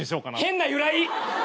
変な由来！